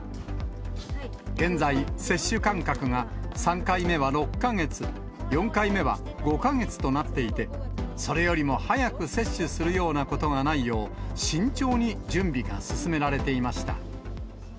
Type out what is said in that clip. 現在、接種間隔が３回目は６か月、４回目は５か月となっていて、それよりも早く接種するようなことがないよう、慎重に準備が進められていました。